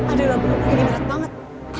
ada labu labu yang ini berat banget